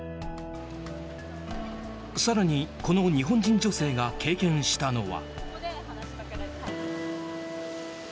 更に、この日本人女性が経験したのは。